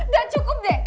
gak cukup deh